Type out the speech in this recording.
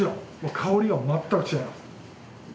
香りがまったく違います。